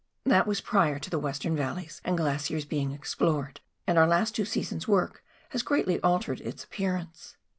That was prior to the western valleys and glaciers being explored, and our last two seasons' work has greatly altered its appearance.